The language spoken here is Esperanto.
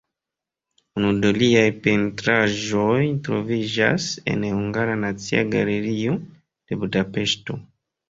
Unu de liaj pentraĵoj troviĝas en Hungara Nacia Galerio de Budapeŝto.